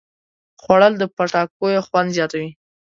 خوړل د پټاکیو خوند زیاتوي